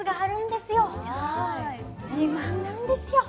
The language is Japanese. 自慢なんですよ。